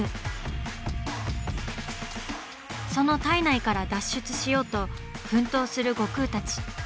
その体内から脱出しようと奮闘する悟空たち。